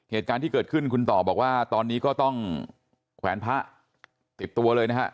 เหตุการณ์ที่เกิดขึ้นคุณต่อบอกว่าตอนนี้ก็ต้องแขวนพระติดตัวเลยนะฮะ